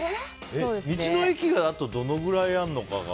道の駅がどのぐらいあるのかが。